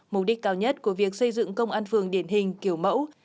mục đích cao nhất của việc xây dựng công an phường điển hình kiểu mẫu